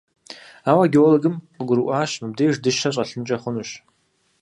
Ауэ геологым къыгурыӀуащ: мыбдеж дыщэ щӀэлъынкӀэ хъунущ.